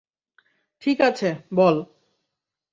ঠিক আছে, বল।